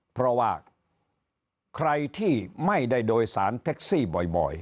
เพราะว่าใครที่ไม่ได้โดยสารแท็กซี่บ่อย